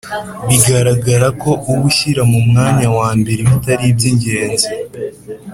bigaragaza ko uba ushyira mu mwanya wa mbere ibitari iby ingenzi